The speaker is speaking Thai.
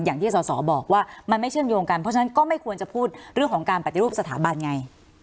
อย่างที่สอสอบอกว่ามันไม่เชื่อมโยงกันเพราะฉะนั้นก็ไม่ควรจะพูดเรื่องของการปฏิรูปสถาบันไง